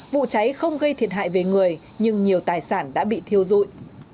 vụ cháy không gây thiệt hại về người nhưng nhiều tài sản đã bị thiêu dụi